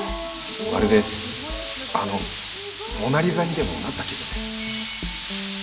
まるであのモナ・リザにでもなった気分です。